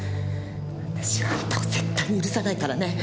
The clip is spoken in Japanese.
私はあんたを絶対に許さないからね！